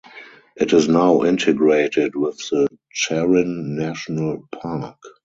It is now integrated with the Charyn National Park.